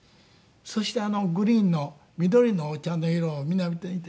そしてあのグリーンの緑のお茶の色を皆見てみて。